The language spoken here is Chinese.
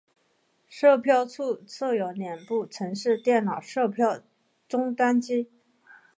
售票处设有两部城市电脑售票终端机。